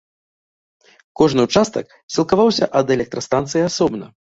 Кожны ўчастак сілкаваўся ад электрастанцыі асобна.